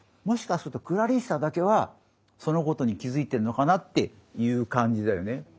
もしかするとクラリッサだけはそのことに気付いてるのかなっていう感じだよね。